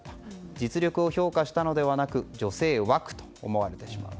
実力を評価したのではなく女性枠と思われてしまう。